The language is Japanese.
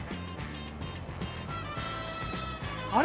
あれ？